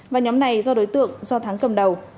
và nhóm này do đối tượng do thắng cầm đầu